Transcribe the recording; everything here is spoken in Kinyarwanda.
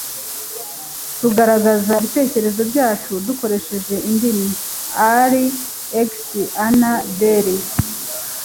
Tugaragaza ibitekerezo byacu dukoresheje indimi. (al_ex_an_der)